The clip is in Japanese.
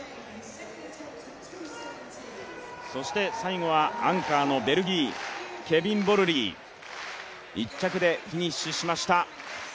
最後はアンカーのベルギー、ケビン・ボルリー１着でフィニッシュしました。